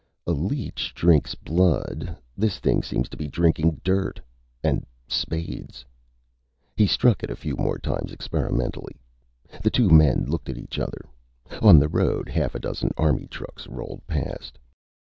"A leech drinks blood. This thing seems to be drinking dirt. And spades." He struck it a few more times, experimentally. The two men looked at each other. On the road, half a dozen Army trucks rolled past.